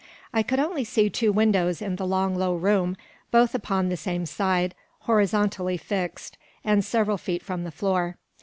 I could only see two windows in the long low room, both upon the same side, horizontally fixed, and several feet from the floor.